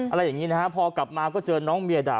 อะไรอย่างนี้นะฮะพอกลับมาก็เจอน้องเมียด่า